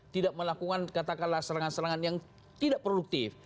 tidak melakukan katakanlah serangan serangan yang tidak produktif